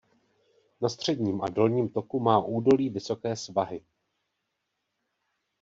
Na středním a dolním toku má údolí vysoké svahy.